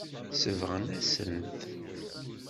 Sebɣen-asen-t.